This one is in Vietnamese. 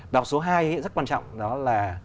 bài học số hai rất quan trọng đó là